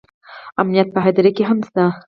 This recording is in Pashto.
امنیت په هدیره کې هم شته